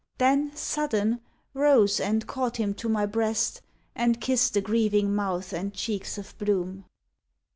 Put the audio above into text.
Then, sudden, rose and caught him to my breast, And kissed the grieving mouth and cheeks of bloom.